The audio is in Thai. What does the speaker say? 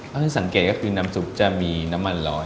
เอาถึงสังเกตุน้ำสุปจะมีน้ำมันรอย